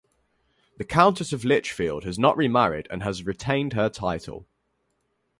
The Countess of Lichfield has not remarried and has retained her title.